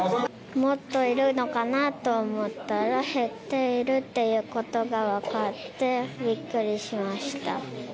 もっといるのかなと思ったら減っているということが分かってびっくりしました。